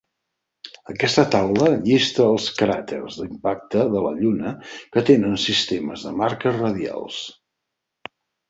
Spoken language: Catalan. Aquesta taula llista els cràters d'impacte de la Lluna que tenen sistemes de marques radials.